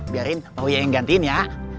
biarin bu uya yang gantiin ya